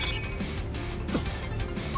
あっ。